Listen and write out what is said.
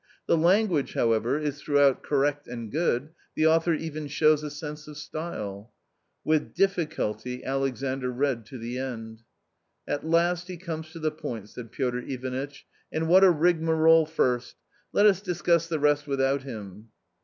The language, however, is throughout correct and good ; the author even shows a sense of style." With difficulty could Alexandr read to the end. "At last he comes to the point," said Piotr Ivanitch, "and what a rigmarole first! Let us discuss the rest without him."